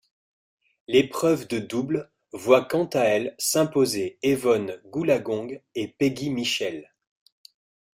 L'épreuve de double voit quant à elle s'imposer Evonne Goolagong et Peggy Michel.